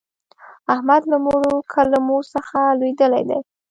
احمد له مړو کلمو څخه لوېدلی دی.